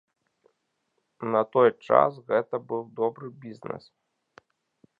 На той час гэта быў добры бізнес.